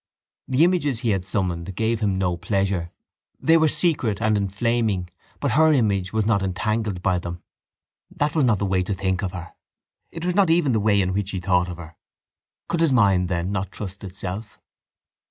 The images he had summoned gave him no pleasure. They were secret and inflaming but her image was not entangled by them. That was not the way to think of her. It was not even the way in which he thought of her. Could his mind then not trust itself?